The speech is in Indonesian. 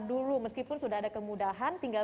dulu meskipun sudah ada kemudahan tinggal